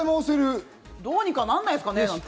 どうにかなんないですかね？